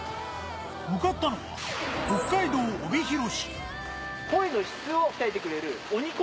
向かったのは北海道帯広市。